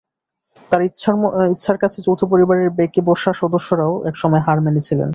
তাঁর ইচ্ছার কাছে যৌথ পরিবারের বেঁকে বসা সদস্যরাও একসময় হার মেনেছিলেন।